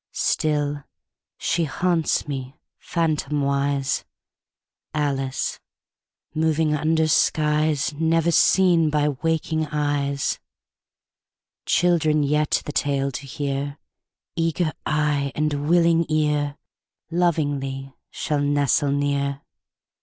Still she haunts me, phantomwise Alice moving under skies Never seen by waking eyes. Children yet, the tale to hear, Eager eye and willing ear, Lovingly shall nestle near.